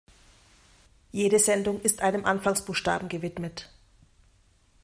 Jede Sendung ist einem Anfangsbuchstaben gewidmet.